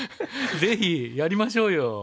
ぜひやりましょうよ。